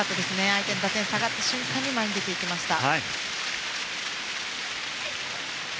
相手の打点が下がった瞬間に前に出ていきました。